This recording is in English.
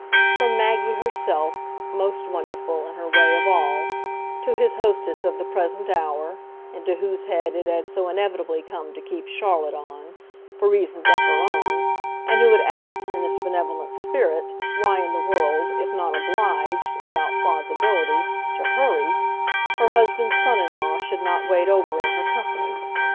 from Maggie herself, most wonderful, in her way, of all, to his hostess of the present hour, into whose head it had so inevitably come to keep Charlotte on, for reasons of her own, and who had asked, in this benevolent spirit, why in the world, if not obliged, without plausibility, to hurry, her husband's son in law should not wait over in her company.